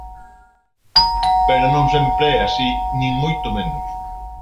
Pero non sempre é así, nin moito menos.